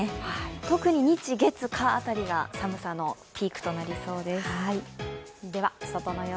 特に、日・月・火辺りが寒さのピークとなりそうです。